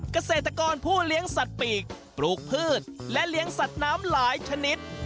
เกษตรกรผู้เลี้ยงสัตว์ปีกปลูกพืชและเลี้ยงสัตว์น้ำหลายชนิด